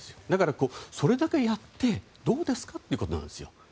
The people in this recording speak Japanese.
だから、それだけやってどうですか？ということです。